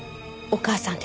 お母さん？